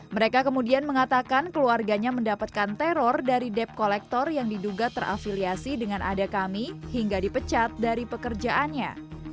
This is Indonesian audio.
mereka kemudian mengatakan keluarganya mendapatkan teror dari debt collector yang diduga terafiliasi dengan ada kami hingga dipecat dari pekerjaannya